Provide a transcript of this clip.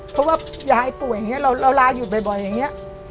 เพราะว่ายายป่วยอย่างนี้เราลาอยู่บ่อยอย่างนี้